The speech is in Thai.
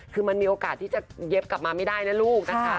คือมันมีโอกาสที่จะเย็บกลับมาไม่ได้นะลูกนะคะ